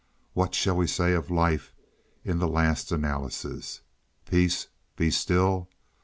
What shall we say of life in the last analysis—"Peace, be still"?